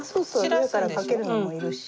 上からかけるのもいるし。